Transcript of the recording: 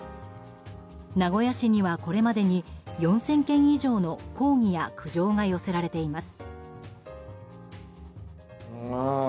名古屋市にはこれまでに４０００件以上の抗議や苦情が寄せられています。